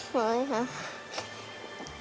เหนื่อยค่ะ